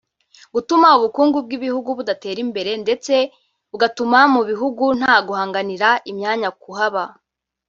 gutuma ubukungu bw’ibihugu budatera imbere ndetse bugatuma mu bihugu nta guhanganira imyanya ku haba